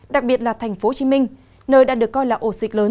đặc biệt là thành phố hồ chí minh nơi đã được coi là ổ dịch lớn